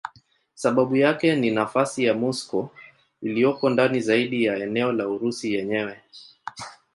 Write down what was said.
Sababu yake ni nafasi ya Moscow iliyoko ndani zaidi ya eneo la Urusi yenyewe.